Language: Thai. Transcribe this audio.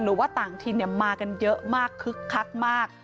หรือว่าต่างถิ่นมากันเยอะมากคึกคักมาก